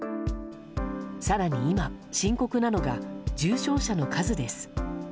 更に今、深刻なのが重症者の数です。